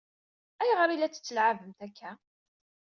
Ayɣer i la tt-ttelɛabent akka?